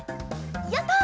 やった！